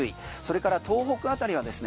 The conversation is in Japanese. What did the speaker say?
それから東北辺りはですね